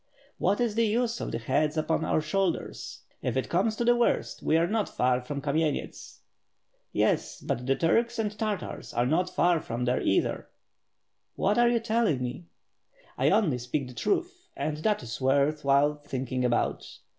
What is the use of the heads upon our shoulders. If it comes to the worst, we are not far from Kamenets." "Yes, but the Turks and Tartars are not far from there either." "What are you telling me?" "I only speak the truth, and that is worth while thinking about.